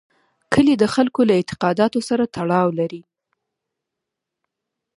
کلي د خلکو له اعتقاداتو سره تړاو لري.